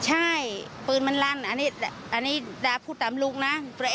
ใช่ปืนมันลั่นอันนี้ดาพูดตามลุงนะ